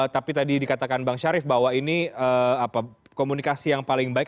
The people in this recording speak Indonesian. tapi tadi dikatakan bang syarif bahwa ini komunikasi yang paling baik